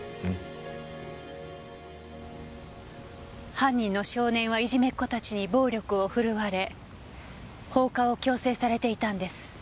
犯人の少年はいじめっ子たちに暴力を振るわれ放火を強制されていたんです。